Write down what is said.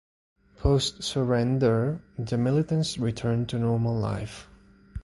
Post surrender the militants returned to normal life.